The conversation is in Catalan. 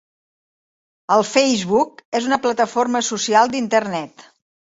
El Facebook és una plataforma social d'internet.